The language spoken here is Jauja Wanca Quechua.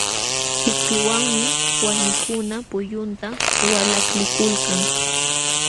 Tikpiwanmi walmikuna pullunta walaklikulkan.